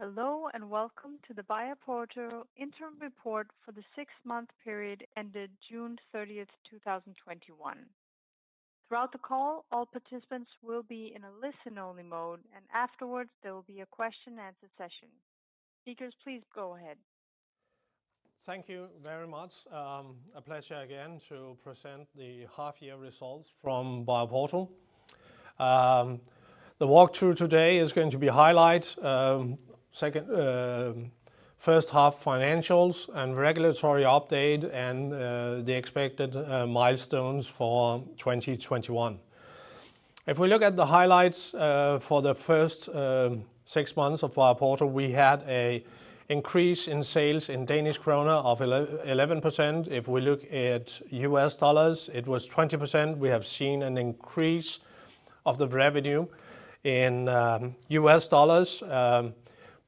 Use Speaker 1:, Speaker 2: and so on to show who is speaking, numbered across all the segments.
Speaker 1: Hello, and welcome to the BioPorto interim report for the six month period ended June 30th, 2021. Throughout the call, all participants will be in a listen-only mode, and afterwards, there will be a question and answer session. Speakers, please go ahead.
Speaker 2: Thank you very much. A pleasure again to present the half-year results from BioPorto. The walkthrough today is going to be highlights, first-half financials and regulatory update, and the expected milestones for 2021. If we look at the highlights for the first six months of BioPorto, we had an increase in sales in DKK of 11%. If we look at U.S. dollars it was 20%. We have seen an increase of the revenue in U.S. dollars,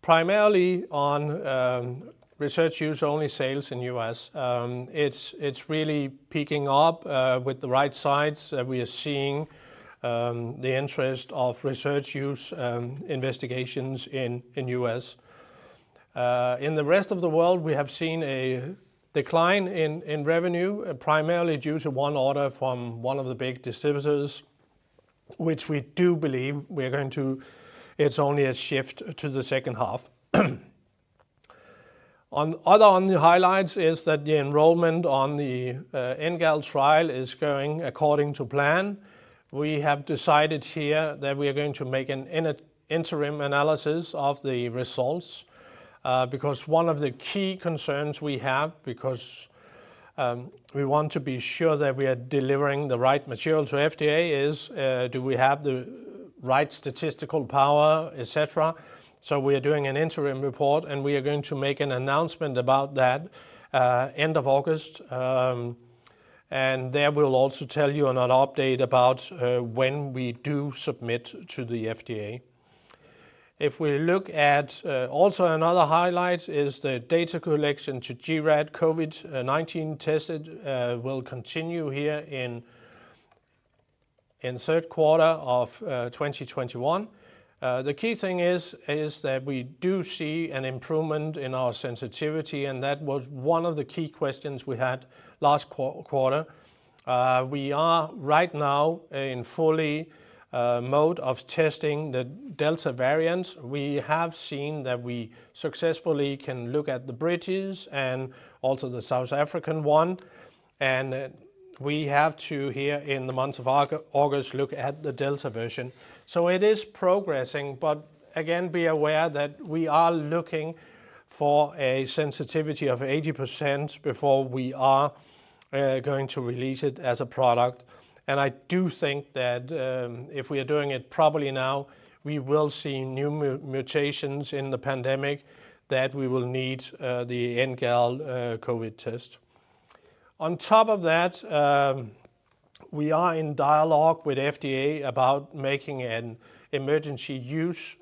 Speaker 2: primarily on research-use only sales in U.S. It's really picking up with the right sides we are seeing the interest of research-use investigations in U.S. In the rest of the world, we have seen a decline in revenue, primarily due to one order from one of the big distributors, which we do believe it's only a shift to the second half. Other on the highlights is that the enrollment on the NGAL trial is going according to plan. We have decided here that we are going to make an interim analysis of the results because one of the key concerns we have, because we want to be sure that we are delivering the right material to FDA is, do we have the right statistical power, et cetera. We are doing an interim report, and we are going to make an announcement about that end of August. There, we'll also tell you on an update about when we do submit to the FDA. Another highlight is the data collection to gRAD COVID-19 test will continue here in third quarter of 2021. The key thing is that we do see an improvement in our sensitivity, and that was one of the key questions we had last quarter. We are right now in fully mode of testing the Delta variant. We have seen that we successfully can look at the British and also the South African one. We have to here in the month of August, look at the Delta version. It is progressing, but again be aware that we are looking for a sensitivity of 80% before we are going to release it as a product. I do think that if we are doing it properly now, we will see new mutations in the pandemic that we will need the NGAL COVID test. On top of that, we are in dialogue with FDA about making an emergency use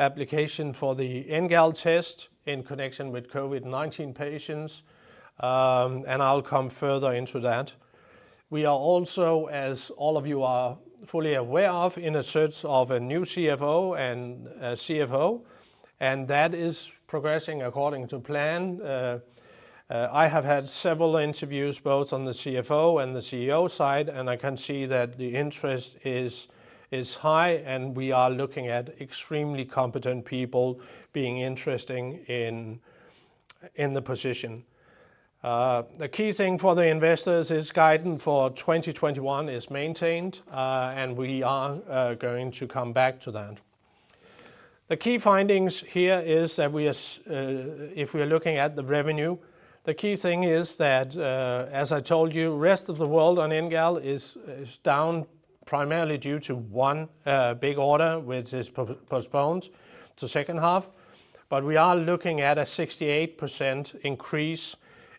Speaker 2: application for the NGAL test in connection with COVID-19 patients, and I'll come further into that. We are also as all of you are fully aware of, in a search of a new CFO and a CEO, that is progressing according to plan. I have had several interviews both on the CFO and the CEO side, I can see that the interest is high, we are looking at extremely competent people being interested in the position. The key thing for the investors is guidance for 2021 is maintained, we are going to come back to that. The key findings here is that if we are looking at the revenue, the key thing is that, as I told you, rest of the world on NGAL is down primarily due to one big order which is postponed to second half. We are looking at a 68% increase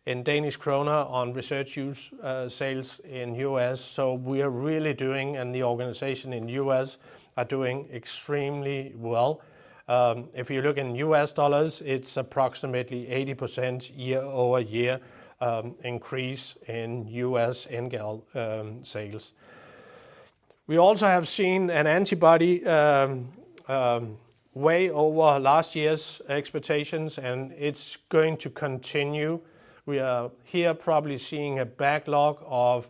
Speaker 2: in Danish krone on research-use sales in U.S. We are really doing, and the organization in U.S. are doing extremely well. If you look in U.S. dollars, it's approximately 80% year-over-year increase in U.S. NGAL sales. We also have seen an antibody way over last year's expectations, and it's going to continue. We are here probably seeing a backlog of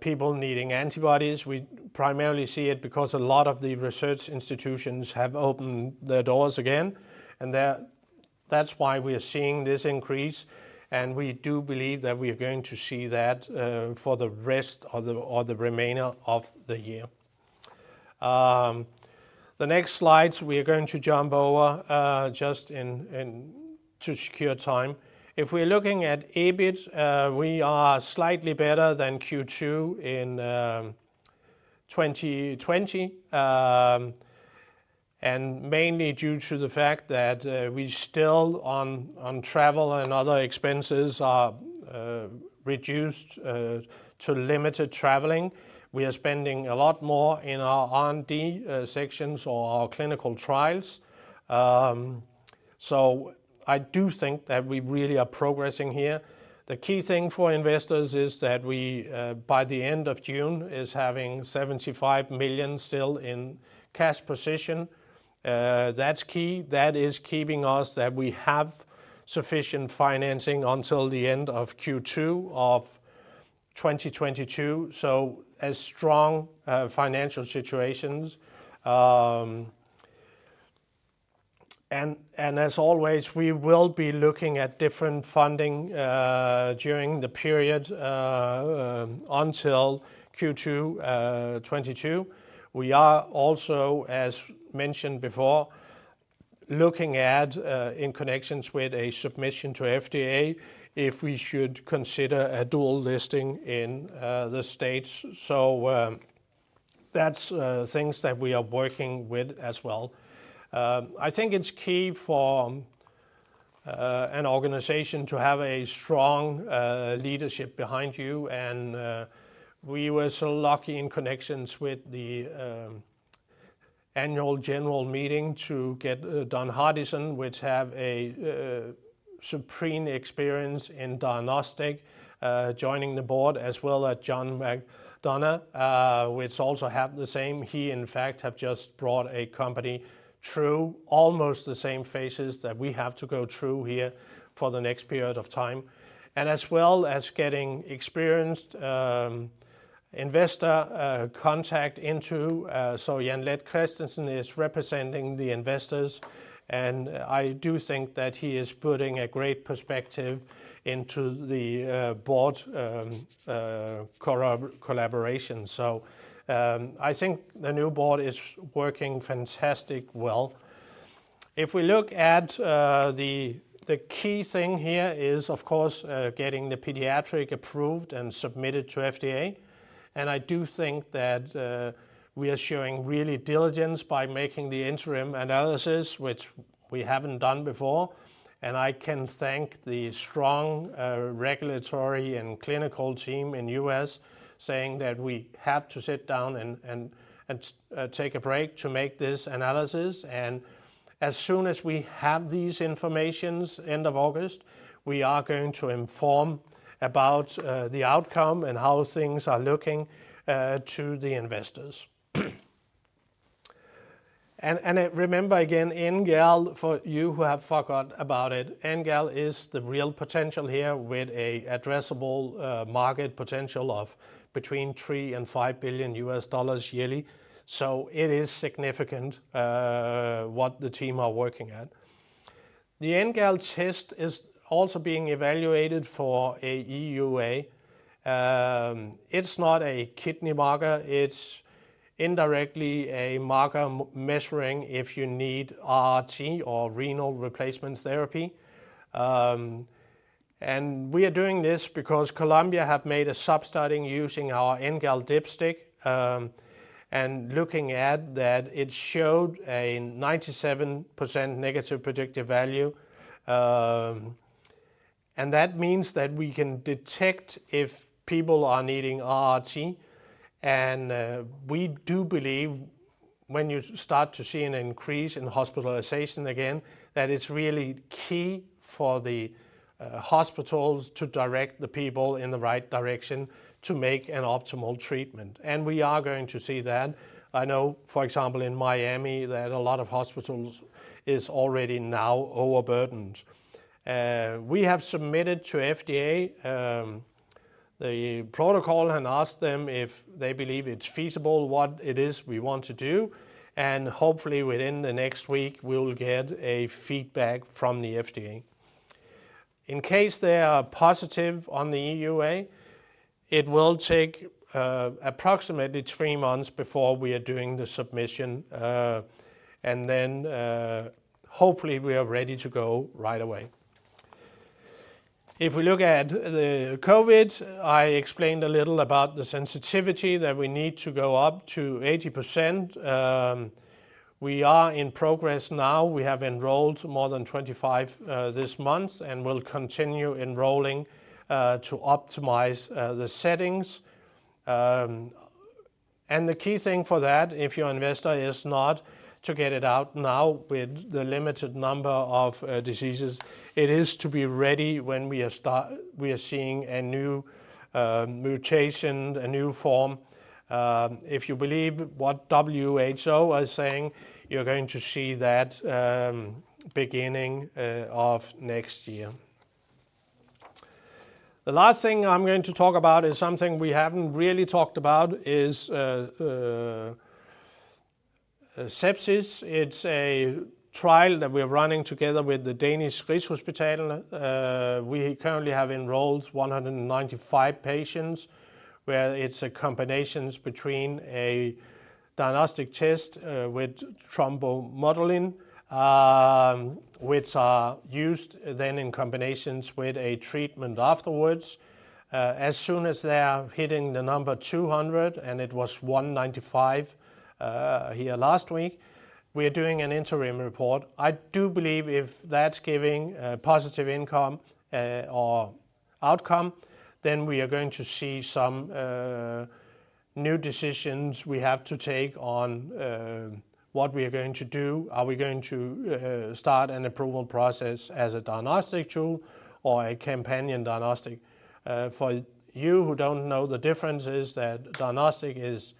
Speaker 2: people needing antibodies. We primarily see it because a lot of the research institutions have opened their doors again, and that's why we are seeing this increase, and we do believe that we are going to see that for the rest or the remainder of the year. The next slides we are going to jump over, just to secure time. If we're looking at EBIT, we are slightly better than Q2 in 2020, and mainly due to the fact that we still on travel and other expenses are reduced to limited traveling. We are spending a lot more in our R&D sections or our clinical trials. I do think that we really are progressing here. The key thing for investors is that we by the end of June is having 75 million still in cash position. That's key that is keeping us that we have sufficient financing until the end of Q2 of 2022, so a strong financial situation. As always, we will be looking at different funding during the period until Q2 2022. We are also, as mentioned before, looking at, in connection with a submission to FDA, if we should consider a dual listing in the states that's things that we are working with as well. I think it's key for an organization to have a strong leadership behind you and we were so lucky in connections with the annual general meeting to get Don Hardison, which have a supreme experience in diagnostic, joining the board, as well as John McDonough, which also have the same. He, in fact, have just brought a company through almost the same phases that we have to go through here for the next period of time. As well as getting experienced investor contact into, Jan Leth Christensen is representing the investors, and I do think that he is putting a great perspective into the board collaboration. I think the new board is working fantastic well. If we look at the key thing here is, of course, getting the pediatric approved and submitted to FDA. I do think that we are showing real diligence by making the interim analysis, which we haven't done before. I can thank the strong regulatory and clinical team in U.S. saying that we have to sit down and take a break to make this analysis. As soon as we have this information end of August, we are going to inform about the outcome and how things are looking to the investors. Remember again, NGAL, for you who have forgotten about it, NGAL is the real potential here with an addressable market potential of between $3 billion and $5 billion yearly. It is significant what the team is working at. The NGAL test is also being evaluated for a EUA. It's not a kidney marker, it's indirectly a marker measuring if you need RRT or renal replacement therapy. We are doing this because Columbia have made a sub-study using our NGALds dipstick looking at that, it showed a 97% negative predictive value. That means that we can detect if people are needing RRT, we do believe when you start to see an increase in hospitalization again, that it's really key for the hospitals to direct the people in the right direction to make an optimal treatment, we are going to see that. I know, for example, in Miami, that a lot of hospitals is already now overburdened. We have submitted to FDA the protocol and asked them if they believe it's feasible what it is we want to do, hopefully within the next week, we'll get a feedback from the FDA. In case they are positive on the EUA, it will take approximately three months before we are doing the submission, then, hopefully, we are ready to go right away. If we look at the COVID, I explained a little about the sensitivity that we need to go up to 80%. We are in progress now we have enrolled more than 25 this month and will continue enrolling to optimize the settings. The key thing for that if you're an investor is not to get it out now with the limited number of diseases. It is to be ready when we are seeing a new mutation, a new form. If you believe what WHO are saying, you're going to see that beginning of next year. The last thing I'm going to talk about is something we haven't really talked about, is sepsis it's a trial that we're running together with the Danish Rigshospitalet. We currently have enrolled 195 patients, where it's a combination between a diagnostic test with thrombomodulin, which are used then in combination with a treatment afterwards. As soon as they are hitting the number 200 patients, and it was 195 patients here last week, we're doing an interim report. I do believe if that's giving a positive outcome, then we are going to see some new decisions we have to take on what we are going to do. Are we going to start an approval process as a diagnostic tool or a companion diagnostic, for you who don't know, the difference is that diagnostic is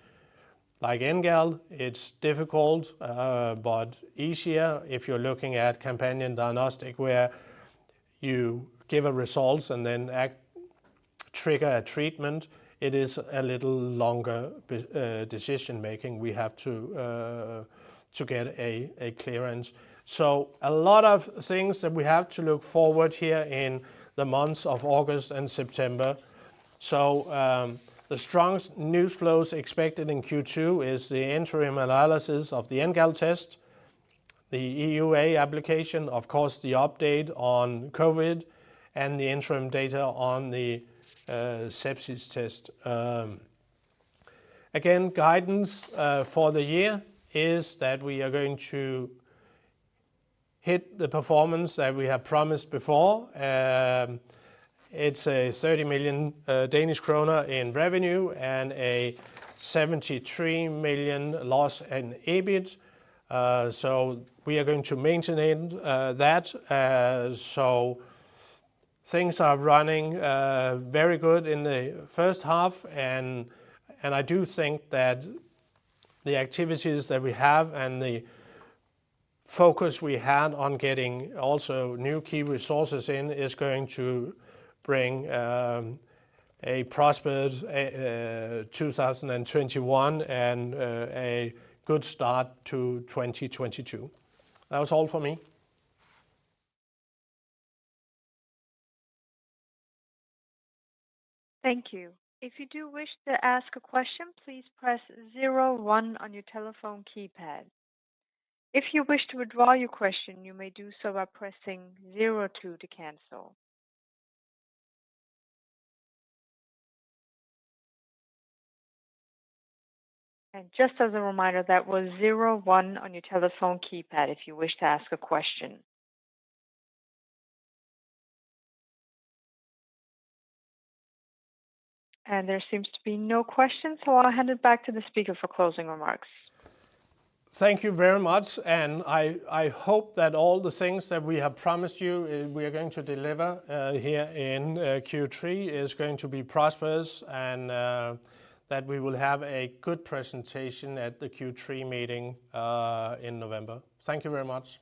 Speaker 2: like NGAL, it's difficult, but easier if you're looking at companion diagnostic, where you give a result and then trigger a treatment. It is a little longer decision-making. We have to get a clearance. A lot of things that we have to look forward here in the months of August and September. The strongest news flows expected in Q2 is the interim analysis of the NGAL test, the EUA application, of course, the update on COVID, and the interim data on the sepsis test. Again, guidance for the year is that we are going to hit the performance that we have promised before. It's a 30 million Danish kroner in revenue and a 73 million loss in EBIT we are going to maintain that. Things are running very good in the first half, and I do think that the activities that we have and the focus we had on getting also new key resources in is going to bring a prosperous 2021 and a good start to 2022. That was all for me.
Speaker 1: Thank you. If you do wish to ask a question, please press zero one on your telephone keypad. If you wish to withdraw your question, you may do so by pressing zero two to cancel. And just as a reminder, that was zero one on your telephone keypad if you wish to ask a question. And there seems to be no questions, so I'll hand it back to the speaker for closing remarks.
Speaker 2: Thank you very much, and I hope that all the things that we have promised you, we are going to deliver here in Q3 is going to be prosperous and that we will have a good presentation at the Q3 meeting in November. Thank you very much.